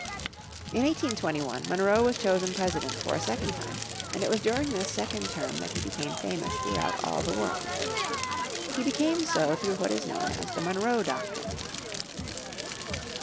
In 1821 Monroe was chosen President for a second time and it was during this second term that he became famous throughout all the world. He became so through what is known as the Monroe Doctrine.